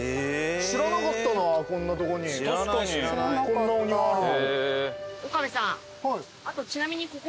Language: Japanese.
知らなかったなこんなとこにこんなお庭あるの。